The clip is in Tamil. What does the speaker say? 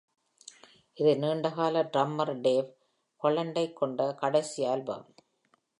இது நீண்டகால டிரம்மர் டேவ் ஹாலண்டைக் கொண்ட கடைசி ஆல்பம்.